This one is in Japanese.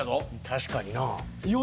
確かにな。